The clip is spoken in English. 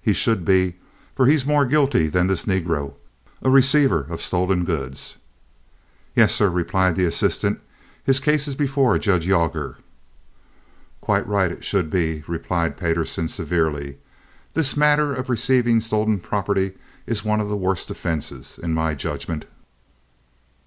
"He should be, for he's more guilty than this negro, a receiver of stolen goods." "Yes, sir," replied the assistant. "His case is before Judge Yawger." "Quite right. It should be," replied Payderson, severely. "This matter of receiving stolen property is one of the worst offenses, in my judgment."